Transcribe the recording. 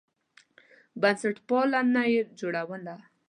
بنسټپالنه یې رواجوله.